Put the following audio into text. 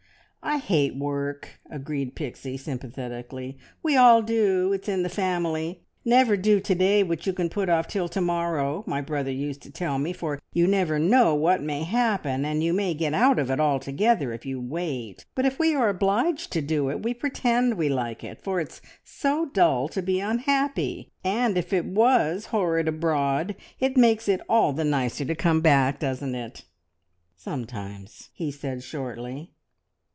"I hate work!" agreed Pixie sympathetically. "We all do; it's in the family. `Never do to day what you can put off till to morrow,' my brother used to tell me, for you never know what may happen, and you may get out of it altogether if you wait. But if we are obliged to do it, we pretend we like it, for it's so dull to be unhappy. And if it was horrid abroad, it makes it all the nicer to come back, doesn't it?" "Sometimes," he said shortly.